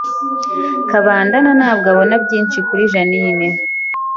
Kabandana ntabwo abona byinshi kuri Jeaninne